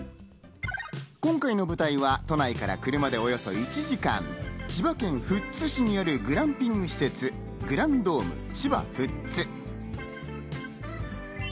今回の舞台は都内から車でおよそ１時間、千葉県富津市にあるグランピング施設・グランドーム千葉富津。